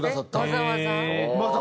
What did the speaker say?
わざわざ。